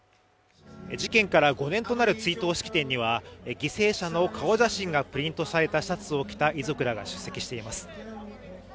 事件から５年となる追悼式典には犠牲者の顔写真がプリントされたシャツを着た遺族らが出席しています。